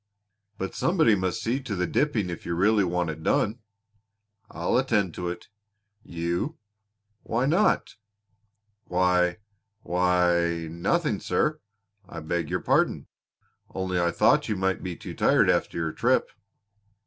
"But somebody must see to the dipping if you really want it done." "I'll attend to it." "You!" "Why not?" "Why why nothing, sir. I beg your pardon. Only I thought you might be too tired after your trip."